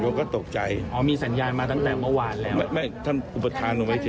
ผมก็ตกใจอ๋อมีสัญญาณมาตั้งแต่เมื่อวานแล้วไม่ท่านอุปทานลงไปที่